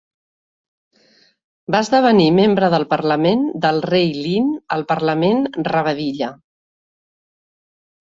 Va esdevenir Membre del parlament del Rei Lynn al Parlament Rabadilla.